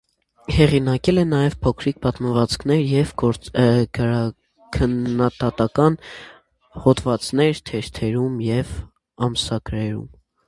Հեղինակել է նաև փոքրիկ պատմվածքներ և գրաքննադատական հոդվածներ թերթերում և ամսագրերում։